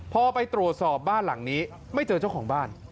พอไปตรวจสอบบ้านหลังนี้ไม่เจอเจ้าของบ้าน